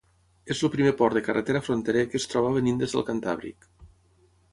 És el primer port de carretera fronterer que es troba venint des del Cantàbric.